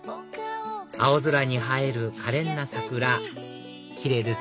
青空に映えるかれんな桜キレイですね